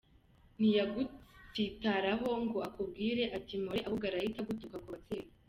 Ntiyagutsitaraho ngo akubwire ati mpore, ahubwo arahita agutuka ku babyeyi.